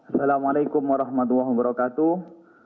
assalamualaikum warahmatullahi wabarakatuh